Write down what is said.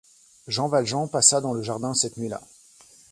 Jean Valjean passa dans le jardin cette nuit-là